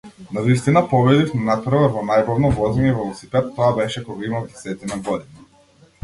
Навистина победив на натпревар во најбавно возење велосипед, тоа беше кога имав десетина години.